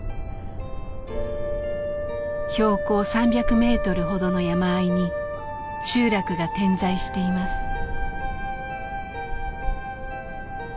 標高３００メートルほどの山あいに集落が点在しています。